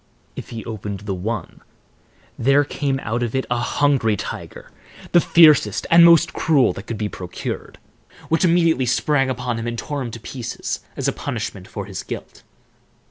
If he opened the one, there came out of it a hungry tiger, the fiercest and most cruel that could be procured, which immediately sprang upon him and tore him to pieces as a punishment for his guilt.